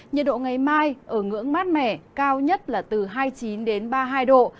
nhiệt độ ngày mai ở ngưỡng mát mẻ cao nhất là từ hai mươi chín đến ba mươi hai độ